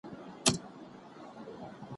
زموږ کورونه زموږ ښارونه پکښي ړنګ سي